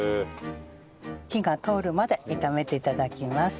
火が通るまで炒めて頂きます。